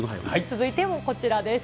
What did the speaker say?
続いてもこちらです。